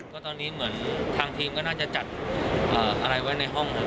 ก็ตอนนี้เหมือนทางทีมก็น่าจะจัดอะไรไว้ในห้องหมด